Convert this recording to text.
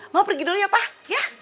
ma pergi dulu ya pa ya